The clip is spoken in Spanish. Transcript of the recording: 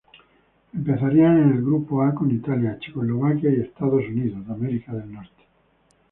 Empezarían en el grupo A con Italia, Checoslovaquia y Estados Unidos.